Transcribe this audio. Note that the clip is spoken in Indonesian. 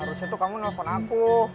harusnya tuh kamu nelfon aku